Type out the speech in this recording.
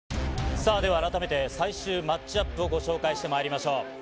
さあ、では改めて、最終マッチアップをご紹介してまいりましょう。